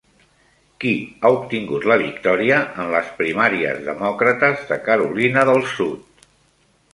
Qui ha obtingut la victòria en les primàries demòcrates de Carolina del Sud?